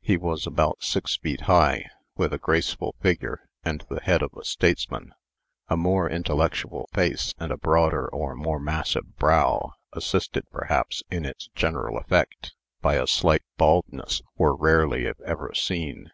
He was about six feet high, with a graceful figure, and the head of a statesman. A more intellectual face, and a broader or more massive brow, assisted, perhaps, in its general effect, by a slight baldness, were rarely if ever seen.